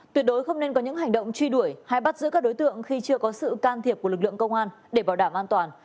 tuyệt đối không nên có những hành động truy đuổi hay bắt giữ các đối tượng khi chưa có sự can thiệp của lực lượng công an để bảo đảm an toàn